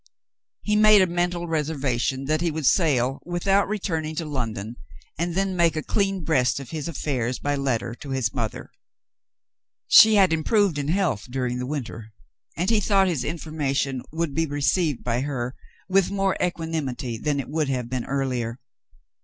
He made a mental reservation that he would sail, without returning to London, and then make a clean breast of his affairs by letter to his mother. She had improved in health during the winter, and he thought his information would be received by her with more equanimity than it would have been earlier.